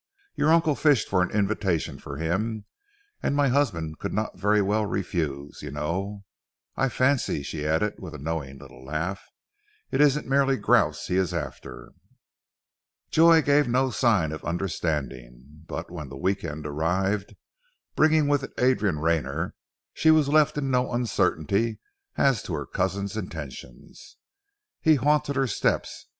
Your uncle fished for an invitation for him, and my husband could not very well refuse, you know. I fancy," she added with a knowing little laugh, "it isn't merely grouse he is after." Joy gave no sign of understanding, but when the week end arrived, bringing with it Adrian Rayner, she was left in no uncertainty as to her cousin's intentions. He haunted her steps.